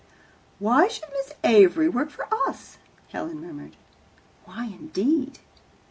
"Why should Miss Avery work for us?" Helen murmured. "Why, indeed?"